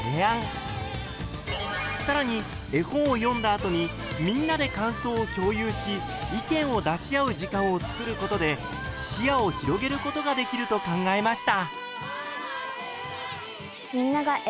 更に絵本を読んだ後にみんなで感想を共有し意見を出し合う時間をつくることで視野を広げることができると考えました。